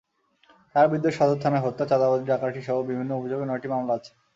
তাঁর বিরুদ্ধে সদর থানায় হত্যা, চাঁদাবাজি, ডাকাতিসহ বিভিন্ন অভিযোগে নয়টি মামলা আছে।